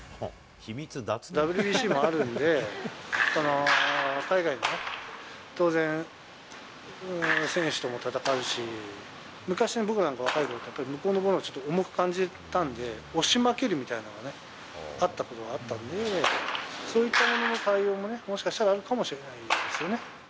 ＷＢＣもあるんで、海外のね、当然、選手と戦うし、昔の僕なんか若いころ、やっぱり向こうの球は重く感じたんで、押し負けるみたいなのがね、あったことがあったんで、そういったものの対応も、もしかしたらあるかもしれないですよね。